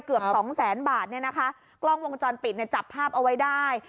เกือบสองแสนบาทเนี่ยนะคะกล้องวงจรปิดเนี่ยจับภาพเอาไว้ได้